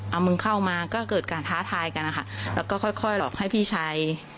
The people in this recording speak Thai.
เอามึงเข้ามาก็เกิดการท้าทายกันนะคะแล้วก็ค่อยค่อยหลอกให้พี่ชาย